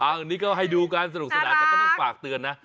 อันนี้ก็ให้ดูกันสนุกสนานแต่ก็ต้องฝากเตือนนะ